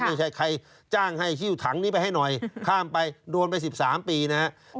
ไม่ใช่ใครจ้างให้หิ้วถังนี้ไปให้หน่อยข้ามไปโดนไป๑๓ปีนะครับ